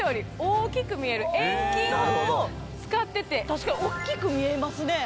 確かにおっきく見えますね。